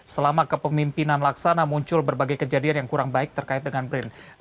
selama kepemimpinan laksana muncul berbagai kejadian yang kurang baik terkait dengan brin